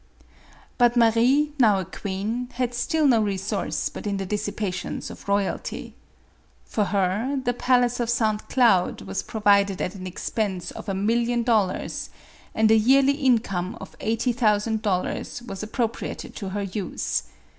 But Marie, now a queen, had still no resource but in the dissipations of royalty. For her, the palace of St. Cloud was provided at an expense of a million dollars, and a yearly income of eighty thousand dollars was appropriated to her use.